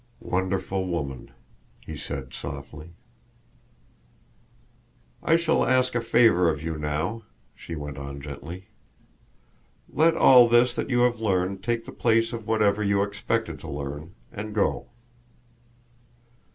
"Wonderful woman!" he said softly. "I shall ask a favor of you now," she went on gently. "Let all this that you have learned take the place of whatever you expected to learn, and go.